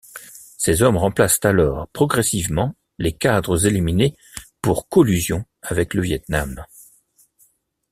Ses hommes remplacent alors progressivement les cadres éliminés pour collusion avec le Viêt Nam.